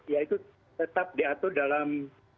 ya itu tetap diatur dalam